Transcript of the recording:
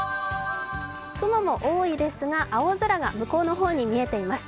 雲も多いですが青空が向こうの方に見えています